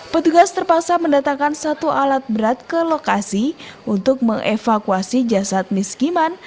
petugas terpaksa mendatangkan satu alat berat ke lokasi untuk mengevakuasi jasad miskiman